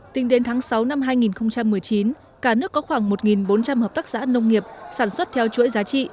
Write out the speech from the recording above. tính đến tháng sáu năm hai nghìn một mươi chín cả nước có khoảng một bốn trăm linh hợp tác xã nông nghiệp sản xuất theo chuỗi giá trị